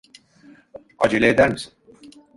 Acele eder misin?